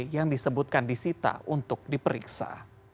yang disebutkan di sita untuk diperiksa